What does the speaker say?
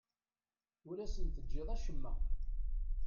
Ur asen-teǧǧiḍ acemma.